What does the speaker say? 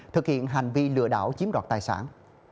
thực hiện hành vi lừa đảo chiếm đoạt tài sản